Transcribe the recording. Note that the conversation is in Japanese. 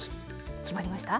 決まりました？